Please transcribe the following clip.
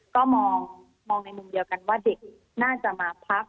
ก็มองในมุมเดียวกันว่าเด็กน่าจะมาพัก